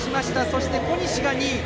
そして、小西が２位。